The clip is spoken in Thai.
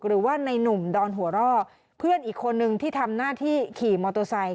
หรือว่าในนุ่มดอนหัวร่อเพื่อนอีกคนนึงที่ทำหน้าที่ขี่มอเตอร์ไซค